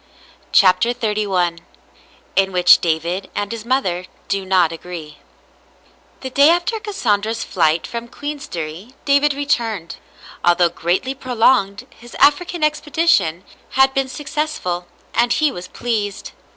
CHAPTER XXXI IN WHICH DAVID AND HIS MOTHER DO NOT AGREE The day after Cassandra's flight from Queensderry David returned. Although greatly prolonged, his African expedition had been successful, and he was pleased.